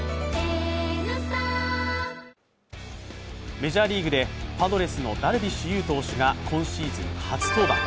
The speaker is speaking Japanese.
メジャーリーグでパドレスのダルビッシュ有投手が今シーズン初登板。